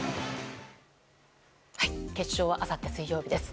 決勝はあさって水曜日です。